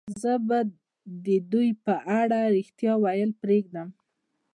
زه به د دوی په اړه رښتیا ویل پرېږدم